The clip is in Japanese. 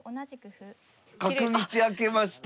角道開けました。